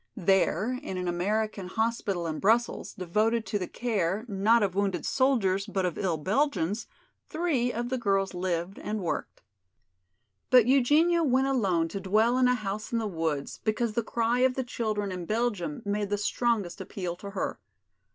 There, in an American hospital in Brussels, devoted to the care, not of wounded soldiers, but of ill Belgians, three of the girls lived and worked. But Eugenia went alone to dwell in a house in the woods because the cry of the children in Belgium made the strongest appeal to her.